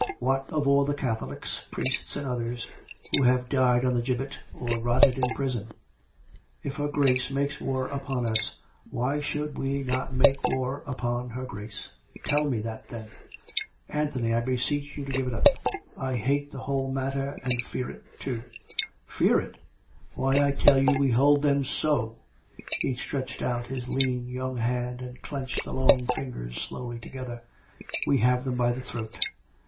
What of all the Catholics — priests and others — who have died on the gibbet, or rotted in prison? If her Grace makes war upon us, why should we not make war upon her Grace? Tell me that, then! "" Anthony, I beseech you to give it up. I hate the whole matter, and fear it, too." COME RACK! COME ROPE! 271 "Fear it? Why, I tell you, we hold them so." (He stretched out his lean, young hand, and clenched the long fingers slowly together.) " We have them by the throat.